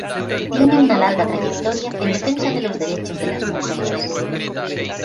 Tiene una larga trayectoria en defensa de los derechos de las mujeres.